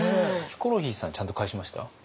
ヒコロヒーさんちゃんと返しました？